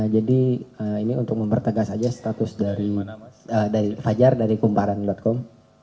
jadi ini untuk mempertegas saja status dari fajar dari kumparan com